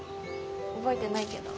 覚えてないけど。